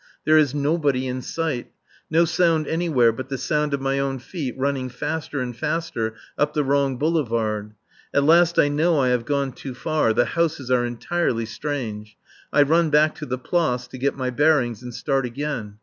There is nobody in sight. No sound anywhere but the sound of my own feet running faster and faster up the wrong boulevard. At last I know I have gone too far, the houses are entirely strange. I run back to the Place to get my bearings, and start again.